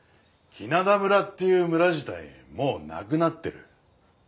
来名田村っていう村自体もうなくなってる。